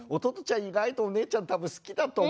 意外とお姉ちゃん多分好きだと思うんですよね。